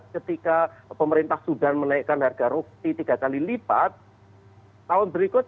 ketika pemerintah sudan menaikkan harga roti tiga kali lipat